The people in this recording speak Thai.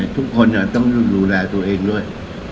ทุกคนต้องดูแลตัวเองด้วย